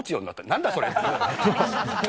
なんだそれって。